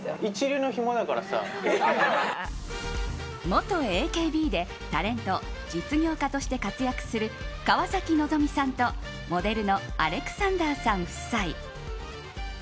元ＡＫＢでタレント、実業家として活躍する川崎希さんとモデルのアレクサンダーさん夫妻。